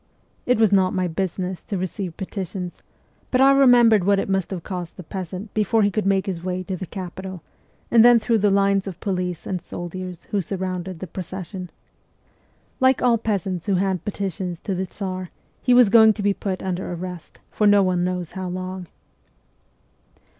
It was not my business to receive petitions, but I remembered what it must have cost the peasant before he could make his way to the capital, and then through the lines of police and soldiers who surrounded the procession. Like all peasants who hand petitions to the Tsar, he was going to be put under arrest, for no one knows how long.